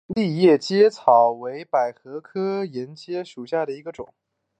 丽叶沿阶草为百合科沿阶草属下的一个种。